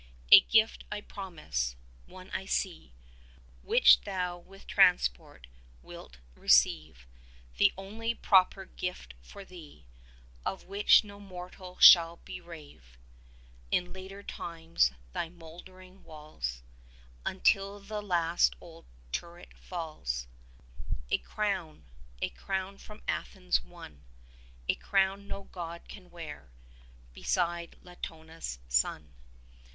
A gift I promise: one I see Which thou with transport wilt receive, 10 The only proper gift for thee, Of which no mortal shall bereave In later times thy mouldering walls, Until the last old turret falls; A crown, a crown from Athens won, 15 A crown no God can wear, beside Latona's son.